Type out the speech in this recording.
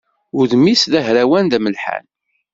Udem-is d ahrawan, d amelḥan.